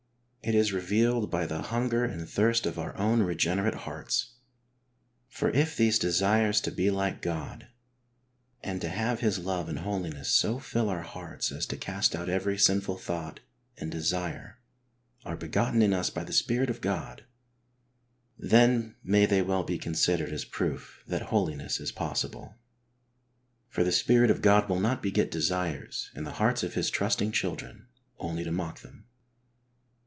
It is revealed by the hunger and thirst of our own regenerate hearts ; for if these desires to be like God, and to have His love and holiness so fill our hearts as to cast out every sinful thought and desire are begotten in us by the Spirit of God, then may they well be considered as proof that holiness is possible. For the Spirit of God will not beget desires in the hearts of His trusting children only to mock them.